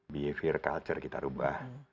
behavior culture kita ubah